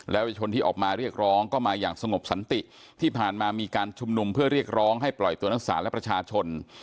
เยาวชนที่ออกมาเรียกร้องก็มาอย่างสงบสันติที่ผ่านมามีการชุมนุมเพื่อเรียกร้องให้ปล่อยตัวนักศาลและประชาชน